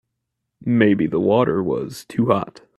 Maybe the water was too hot.